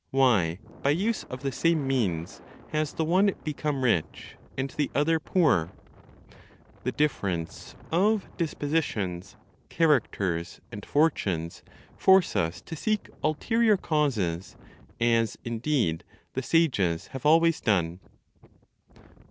Why, by use of the same means, has the one become rich, and the other poor? The difference of dispositions, characters, and fortunes force us to seek ulterior causes, as indeed the sages have always done.